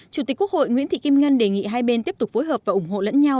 chủ tịch quốc hội nguyễn thị kim ngân đề nghị hai bên tiếp tục phối hợp và ủng hộ lẫn nhau